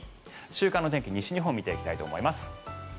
週間天気、西日本を見ていきたいと思います。